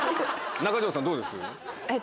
中条さん、どうです？